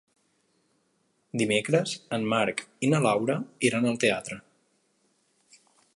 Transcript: Dimecres en Marc i na Laura iran al teatre.